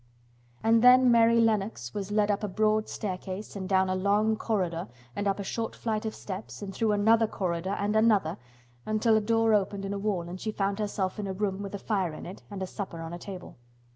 And then Mary Lennox was led up a broad staircase and down a long corridor and up a short flight of steps and through another corridor and another, until a door opened in a wall and she found herself in a room with a fire in it and a supper on a table.